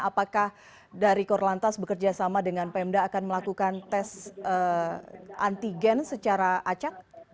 apakah dari kor lantas bekerja sama dengan pmda akan melakukan tes antigen secara acak